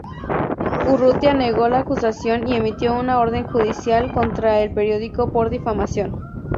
Urrutia negó la acusación y emitió una orden judicial contra el periódico por difamación.